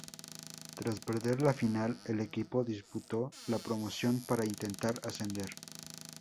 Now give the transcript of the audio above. Tras perder la final, el equipo disputó la promoción para intentar ascender.